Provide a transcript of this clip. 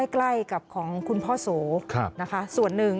ใกล้กับของคุณพ่อโสนะคะส่วนหนึ่ง